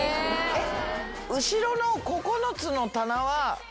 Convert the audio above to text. えっ？